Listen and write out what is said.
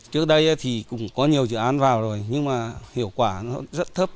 trước đây thì cũng có nhiều dự án vào rồi nhưng mà hiệu quả nó rất là nhiều